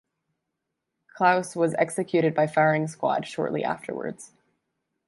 Claus was executed by firing squad shortly afterwards.